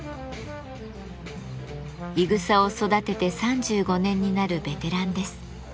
いぐさを育てて３５年になるベテランです。